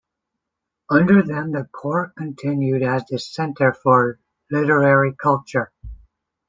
Under them, the court continued as a centre for literary culture.